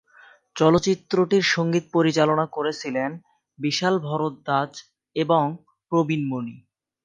চলচ্চিত্রটির সঙ্গীত পরিচালনা করেছিলেন বিশাল ভরদ্বাজ এবং প্রবীণ মণি।